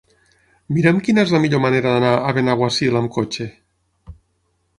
Mira'm quina és la millor manera d'anar a Benaguasil amb cotxe.